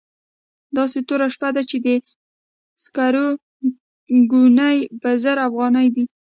داسې توره شپه ده چې د سکرو ګونۍ په زر افغانۍ ده.